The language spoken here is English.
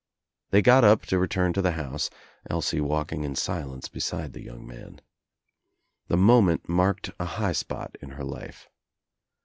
They got up to return to the house, Elsie walking 1 silence beside the young man. The moment marked I high spot in her life.